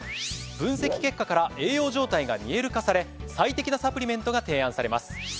分析結果から栄養状態が見える化され最適なサプリメントが提案されます。